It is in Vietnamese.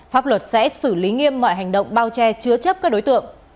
pháp luật sẽ xử lý nghiêm mọi hành động bao che chứa chấp các đối tượng